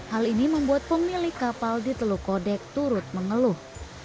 hal ini membuat pemilik kapal di teluk kodek turut mengeluh